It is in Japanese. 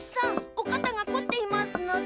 おかたがこっていますのだ。